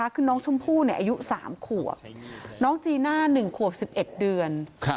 คือน้องชมพู่อายุ๓ขวบน้องจีน่า๑ขวบ๑๑เดือน